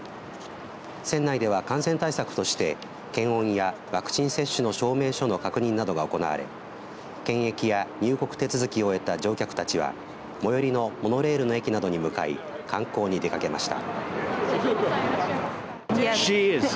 船内では感染対策として検温やワクチン接種の証明書の確認などが行われ検疫や入国手続きを終えた乗客たちは最寄りのモノレールの駅などに向かい観光に出かけました。